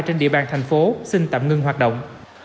trên địa bàn thành phố xin tạm ngưng hoạt động